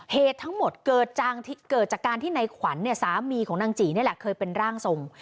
เหตุทั้งหมดเกิดจากการที่ในขวัญเนี่ยสามีของนางจีนี่แหละเคยเป็นร่างทรง